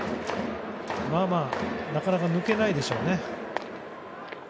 なかなか抜けないでしょうね。